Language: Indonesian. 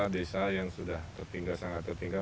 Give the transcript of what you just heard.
desa yang sudah tertinggal sangat tertinggal